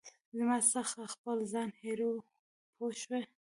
زما څخه خپل ځان هېروې پوه شوې!.